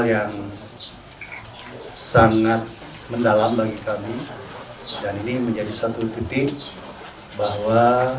kami harus melakukan satu hal yang sangat mendalam bagi kami dan ini menjadi satu titik bahwa